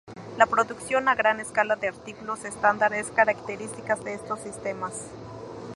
La producción a gran escala de artículos estándar es características de estos sistemas.